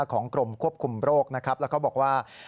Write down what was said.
ของกลุ่มควบคุมโรคแล้วก็บอกว่า